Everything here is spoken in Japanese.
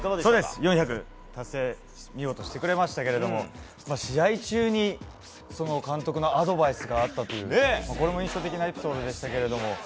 ４００達成見事してくれましたけれども試合中に監督のアドバイスがあったという印象的なエピソードでしたが。